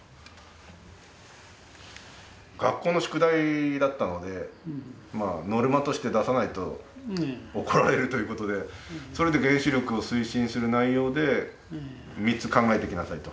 学校の宿題だったのでノルマとして出さないと怒られるということでそれで原子力を推進する内容で３つ考えてきなさいと。